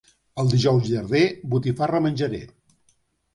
El Dijous Llarder, botifarra menjaré.